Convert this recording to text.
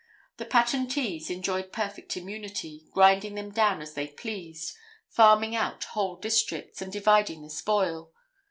The patentees enjoyed perfect immunity, grinding them down as they pleased, farming out whole districts, and dividing the spoil.